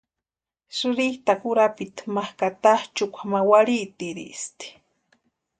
Sïristakwa urapiti ma ka táchʼukwa ma warhiitiristi.